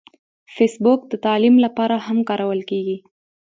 فېسبوک د تعلیم لپاره هم کارول کېږي